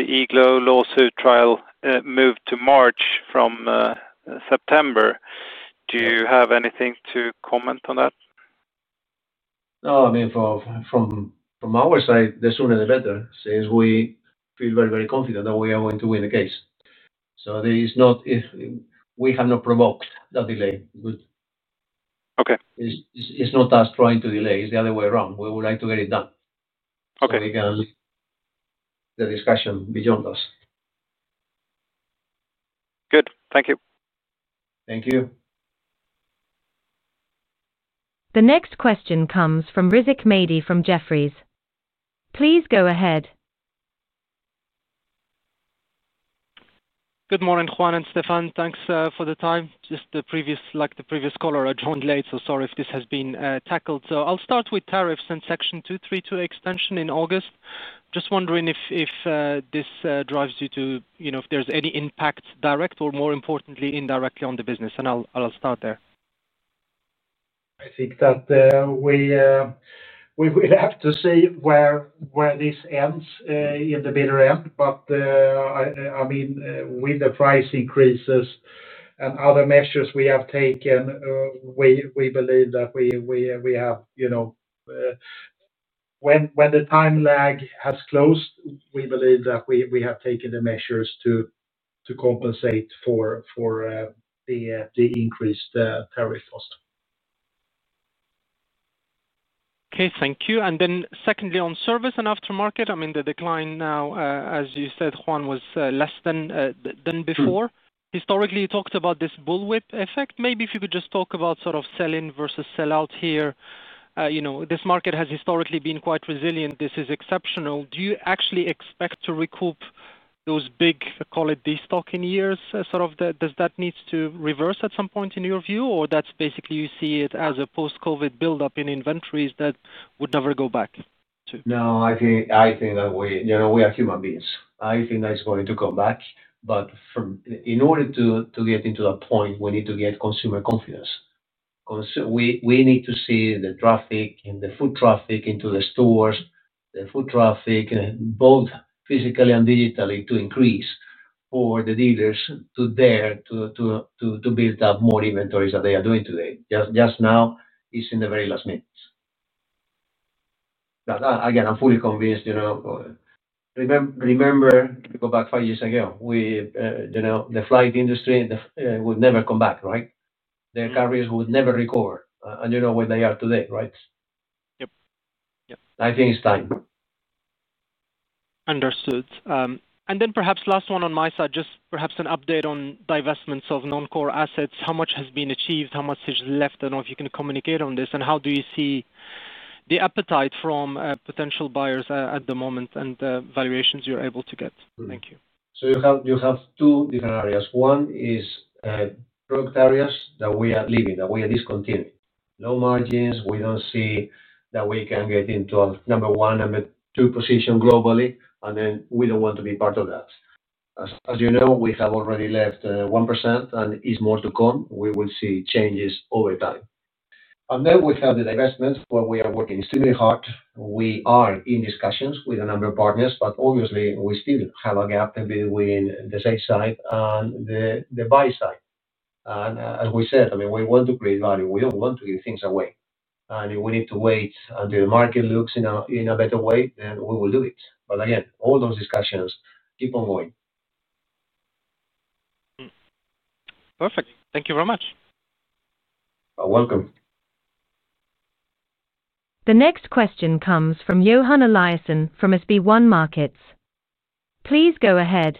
Igloo lawsuit trial move to March from September. Do you have anything to comment on that? No, I mean, from our side, the sooner the better since we feel very, very confident that we are going to win the case. There is not, we have not provoked that delay. Good. Okay. It's not us trying to delay. It's the other way around. We would like to get it done. Okay. We can leave the discussion beyond us. Good, thank you. Thank you. The next question comes from Rizik Mehdi from Jefferies. Please go ahead. Good morning, Juan and Stefan. Thanks for the time. Just like the previous caller, I joined late, so sorry if this has been tackled. I'll start with tariffs and Section 232 extension in August. I'm just wondering if this drives you to, you know, if there's any impact direct or more importantly, indirectly on the business. I'll start there. I think that we will have to see where this ends in the bitter end. With the price increases and other measures we have taken, we believe that we have, you know, when the time lag has closed, we believe that we have taken the measures to compensate for the increased tariff cost. Okay. Thank you. Secondly, on service and aftermarket, the decline now, as you said, Juan, was less than before. Historically, you talked about this bullwhip effect. Maybe if you could just talk about sort of sell-in versus sell-out here. This market has historically been quite resilient. This is exceptional. Do you actually expect to recoup those big, call it, destocking years? Does that need to reverse at some point in your view, or do you basically see it as a post-COVID build-up in inventories that would never go back to? No, I think that we are human beings. I think that is going to come back. In order to get to that point, we need to get consumer confidence. We need to see the traffic and the foot traffic into the stores, the foot traffic, both physically and digitally, to increase for the dealers to dare to build up more inventories than they are doing today. Just now, it's in the very last minutes. Again, I'm fully convinced, you know, remember, if you go back five years ago, we, you know, the flight industry would never come back, right? Their carriers would never recover. You know where they are today, right? Yep. Yep. I think it's time. Understood. Perhaps last one on my side, just perhaps an update on divestments of non-core assets. How much has been achieved? How much is left? I don't know if you can communicate on this. How do you see the appetite from potential buyers at the moment and the valuations you're able to get? Thank you. You have two different areas. One is product areas that we are leaving, that we are discontinuing. Low margins, we don't see that we can get into a number one and two position globally, and then we don't want to be part of that. As you know, we have already left 1% and it's more to come. We will see changes over time. We have the divestments where we are working extremely hard. We are in discussions with a number of partners, but obviously, we still have a gap between the sell side and the buy side. As we said, we want to create value. We don't want to give things away. If we need to wait until the market looks in a better way, then we will do it. Again, all those discussions keep on going. Perfect. Thank you very much. You're welcome. The next question comes from Johan Eliason from SB1 Markets. Please go ahead.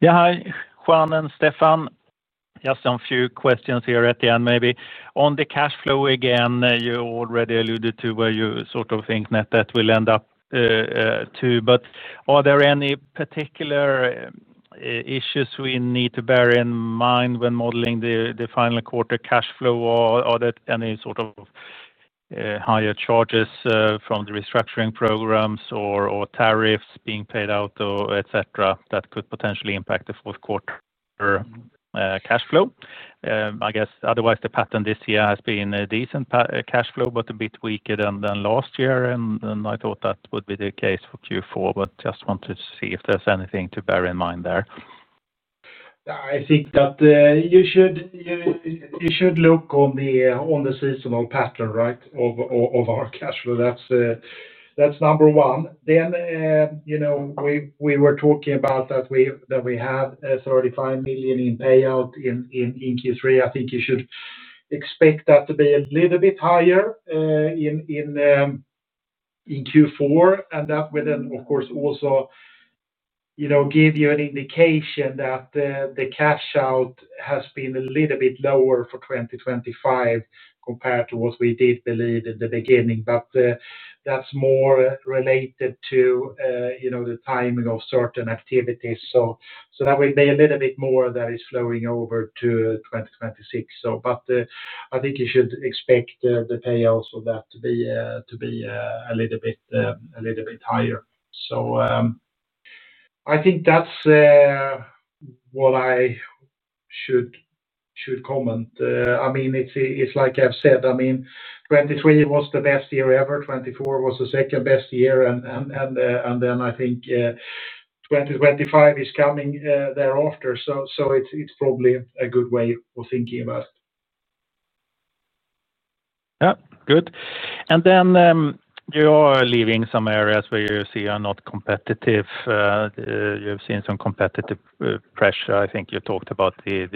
Yeah. Hi, Juan and Stefan. Just a few questions here at the end maybe. On the cash flow again, you already alluded to where you sort of think net debt will end up too. Are there any particular issues we need to bear in mind when modeling the final quarter cash flow? Are there any sort of higher charges from the restructuring programs or tariffs being paid out, etc., that could potentially impact the fourth quarter cash flow? I guess otherwise, the pattern this year has been a decent cash flow, but a bit weaker than last year. I thought that would be the case for Q4, just wanted to see if there's anything to bear in mind there. Yeah. I think that you should look on the seasonal pattern, right, of our cash flow. That's number one. We were talking about that we had 35 million in payout in Q3. I think you should expect that to be a little bit higher in Q4. That would then, of course, also give you an indication that the cash out has been a little bit lower for 2025 compared to what we did believe in the beginning. That's more related to the timing of certain activities. That will be a little bit more that is flowing over to 2026. I think you should expect the payouts of that to be a little bit higher. I think that's what I should comment. I mean, it's like I've said. I mean, 2023 was the best year ever. 2024 was the second-best year. I think 2025 is coming thereafter. It's probably a good way of thinking about it. Good. You are leaving some areas where you see are not competitive. You've seen some competitive pressure. I think you talked about the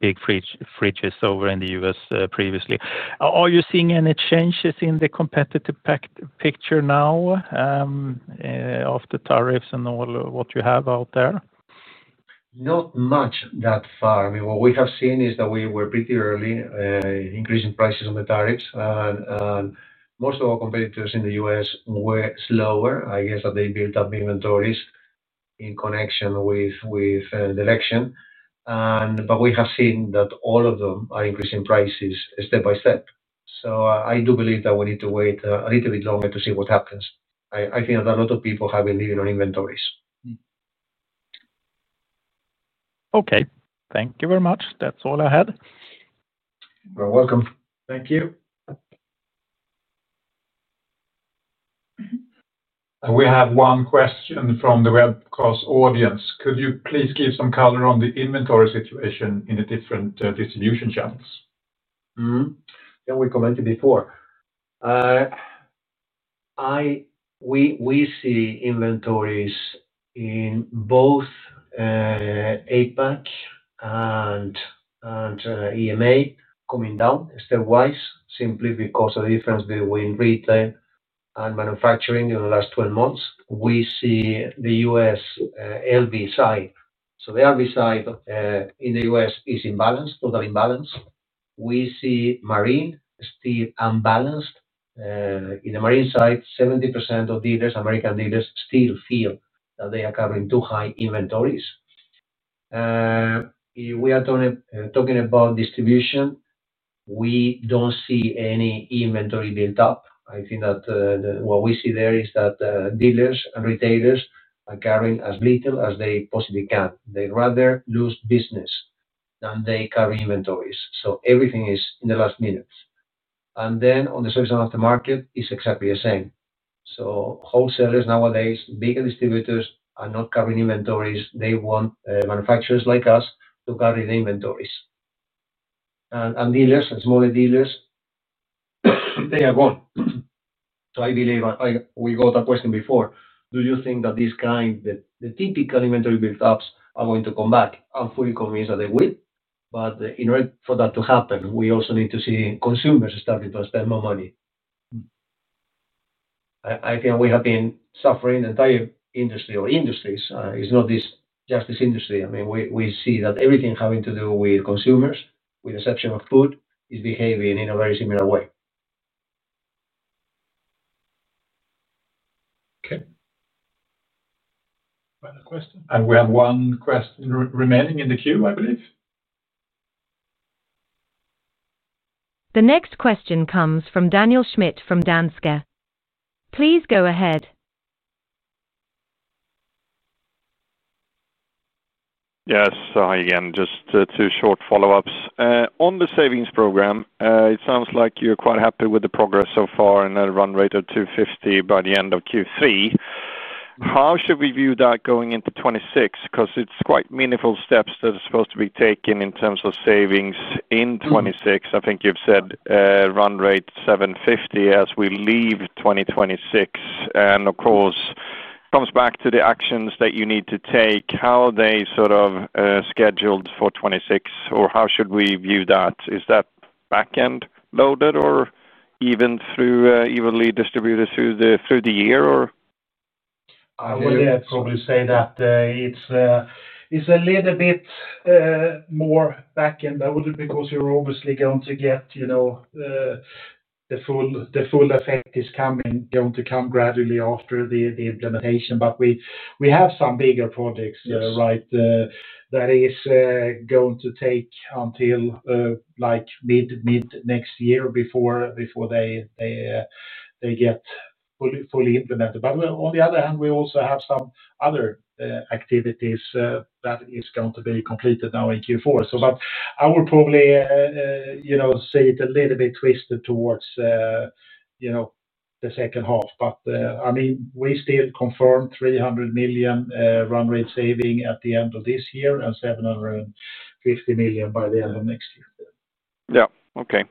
big fridges over in the U.S. previously. Are you seeing any changes in the competitive picture now of the tariffs and all what you have out there? Not much that far. What we have seen is that we were pretty early increasing prices on the tariffs. Most of our competitors in the U.S. were slower. I guess that they built up inventories in connection with the election. We have seen that all of them are increasing prices step by step. I do believe that we need to wait a little bit longer to see what happens. I think that a lot of people have been leaving on inventories. Okay, thank you very much. That's all I had. You're welcome. Thank you. We have one question from the webcast audience. Could you please give some color on the inventory situation in the different distribution channels? Yeah, we commented before. We see inventories in both APAC and EMA coming down stepwise simply because of the difference between retail and manufacturing in the last 12 months. We see the U.S. LV side. The LV side in the U.S. is in balance, total imbalance. We see marine still unbalanced. In the marine side, 70% of dealers, American dealers, still feel that they are carrying too high inventories. If we are talking about distribution, we don't see any inventory built up. I think that what we see there is that dealers and retailers are carrying as little as they possibly can. They'd rather lose business than they carry inventories. Everything is in the last minute. On the service and aftermarket, it's exactly the same. Wholesalers nowadays, bigger distributors are not carrying inventories. They want manufacturers like us to carry the inventories. Dealers and smaller dealers, they are gone. I believe we got that question before. Do you think that these kinds, the typical inventory build-ups are going to come back? I'm fully convinced that they will. In order for that to happen, we also need to see consumers starting to spend more money. I think we have been suffering, the entire industry or industries. It's not just this industry. I mean, we see that everything having to do with consumers, with the exception of food, is behaving in a very similar way. Okay. Final question. We have one question remaining in the queue, I believe. The next question comes from Daniel Schmidt from Danske. Please go ahead. Yes. Hi again. Just two short follow-ups. On the savings program, it sounds like you're quite happy with the progress so far and at a run rate of 250 million by the end of Q3. How should we view that going into 2026? Because it's quite meaningful steps that are supposed to be taken in terms of savings in 2026. I think you've said run rate 750 million as we leave 2026. Of course, it comes back to the actions that you need to take. How are they sort of scheduled for 2026, or how should we view that? Is that back-end loaded or evenly distributed through the year? I would probably say that it's a little bit more backend loaded because you're obviously going to get, you know, the full effect is coming. Going to come gradually after the implementation. We have some bigger projects that are going to take until like mid-next year before they get fully implemented. On the other hand, we also have some other activities that are going to be completed now in Q4. I would probably see it a little bit twisted towards the second half. I mean, we still confirm 300 million run rate saving at the end of this year and 750 million by the end of next year. Okay.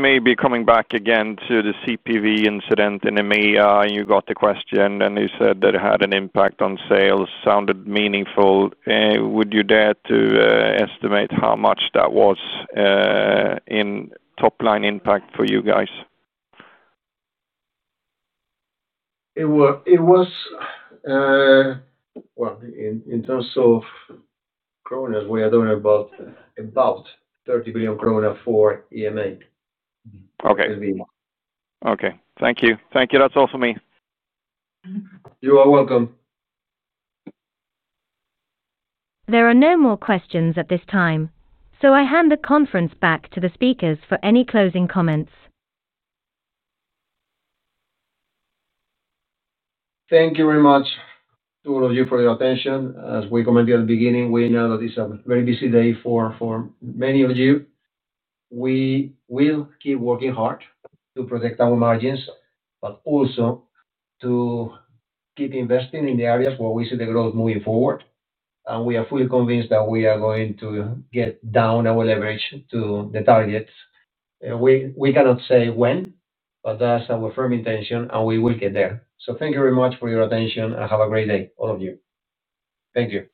Maybe coming back again to the CPV incident in EMEA, you got the question, and you said that it had an impact on sales, sounded meaningful. Would you dare to estimate how much that was in top line impact for you guys? In terms of kroner, we are talking about 30 billion krona for EMA. Okay. It will be. Okay. Thank you. Thank you. That's all for me. You are welcome. There are no more questions at this time. I hand the conference back to the speakers for any closing comments. Thank you very much to all of you for your attention. As we commented at the beginning, we know that it's a very busy day for many of you. We will keep working hard to protect our margins, but also to keep investing in the areas where we see the growth moving forward. We are fully convinced that we are going to get down our leverage to the targets. We cannot say when, but that's our firm intention, and we will get there. Thank you very much for your attention and have a great day, all of you. Thank you..